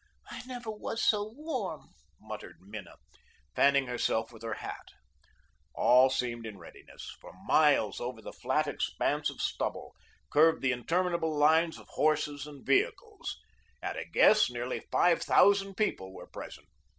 "I never was so warm," murmured Minna, fanning herself with her hat. All seemed in readiness. For miles over the flat expanse of stubble, curved the interminable lines of horses and vehicles. At a guess, nearly five thousand people were present.